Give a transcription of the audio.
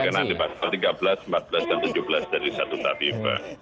terkena di pasok tiga belas empat belas dan tujuh belas dari satu tabibah